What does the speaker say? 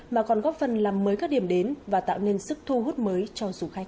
mà còn góp phần làm mới các điểm đến và tạo nên sức thu hút mới cho du khách